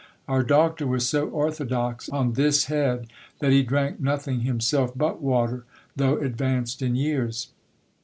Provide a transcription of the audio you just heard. Our doctor was so orthodox on this head, that he drank nothing himself but water, though advanced in years.